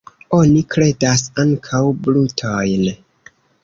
Oni bredas ankaŭ brutojn.